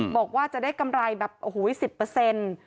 บอกว่าจะได้กำไรแบบโอ้โหสิบเปอร์เซ็นต์